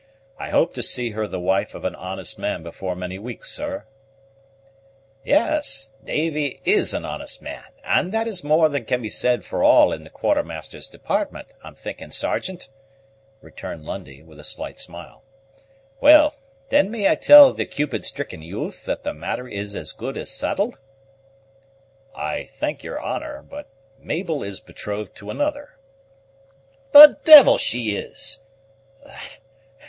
I hope to see her the wife of an honest man before many weeks, sir." "Yes, Davy is an honest man, and that is more than can be said for all in the quartermaster's department, I'm thinking, Sergeant," returned Lundie, with a slight smile. "Well, then may I tell the Cupid stricken youth that the matter is as good as settled?" "I thank your honor; but Mabel is betrothed to another." "The devil she is!